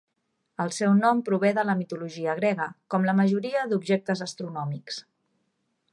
El seu nom prové de la mitologia grega; com la majoria d'objectes astronòmics.